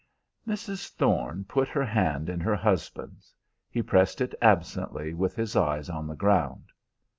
'" Mrs. Thorne put her hand in her husband's. He pressed it absently, with his eyes on the ground.